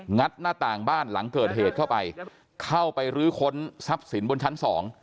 ัดหน้าต่างบ้านหลังเกิดเหตุเข้าไปเข้าไปรื้อค้นทรัพย์สินบนชั้นสอง